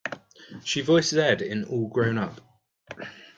She voiced Z in "All Grown Up".